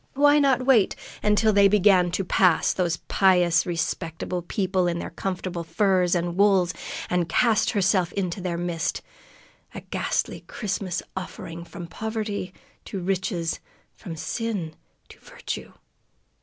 Why not wait until they began to pass those pious, respectable people in their comfortable furs and wools and cast herself into their midst, a ghastly Christmas offering from Poverty to Riches, from Sin to Virtue?